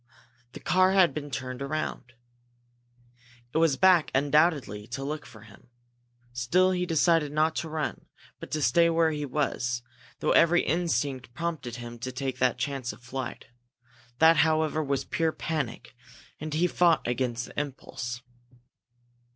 The car had been turned around. It was back, undoubtedly, to look for him. Still he decided not to run, but to stay where he was, though every instinct prompted him to take the chance of flight. That, however, was pure panic, and he fought against the impulse.